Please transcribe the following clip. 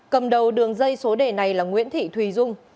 cầm đầu đường dây số đề này là nguyễn thị thùy dung